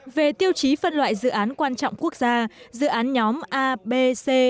về tiêu chí phân loại dự án quan trọng quốc gia dự án nhóm a b c